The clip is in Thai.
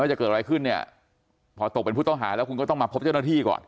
จะเกิดอะไรขึ้นเนี่ยพอตกเป็นผู้ต้องหาแล้วคุณก็ต้องมาพบเจ้าหน้าที่ก่อน